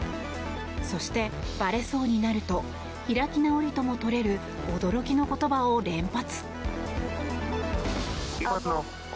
そして、ばれそうになると開き直りとも取れる驚きの言葉を連発。